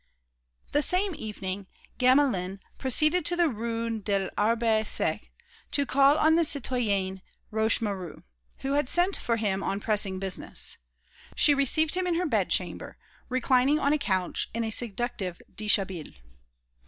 The same evening Gamelin proceeded to the Rue de l'Arbre Sec to call on the citoyenne Rochemaure, who had sent for him on pressing business. She received him in her bedchamber, reclining on a couch in a seductive dishabille.